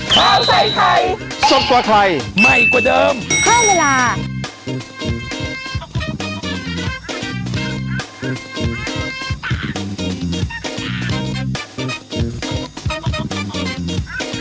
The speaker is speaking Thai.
โปรดติดตามตอนต่อไป